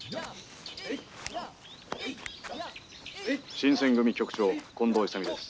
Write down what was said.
「新選組局長近藤勇です」。